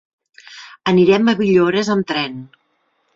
Anirem a Villores amb tren.